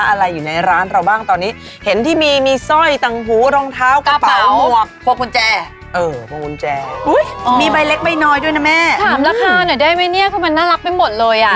เวลาในการทำแบบอ๋อนี่แหมก็อัพราคาขึ้นมา